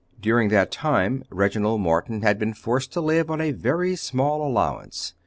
During that time Reginald Morton had been forced to live on a very small allowance.